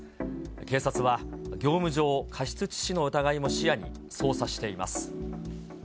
警察は業務上過失致死の疑いも視野に捜査しています。